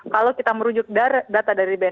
kalau kita merujuk data dari bnn